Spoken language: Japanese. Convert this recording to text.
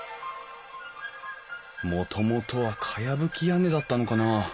もともとはかやぶき屋根だったのかなあ。